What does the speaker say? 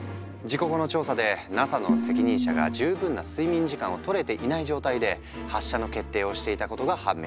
事故後の調査でＮＡＳＡの責任者が十分な睡眠時間をとれていない状態で発射の決定をしていたことが判明した。